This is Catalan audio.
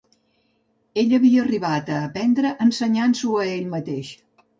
Ell havia arribat a aprendre, ensenyat-s'ho a ell mateix